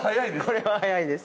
これは速いです。